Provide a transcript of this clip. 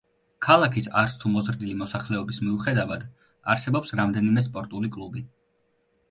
ქალაქის არც თუ მოზრდილი მოსახლეობის მიუხედავად, არსებობს რამდენიმე სპორტული კლუბი.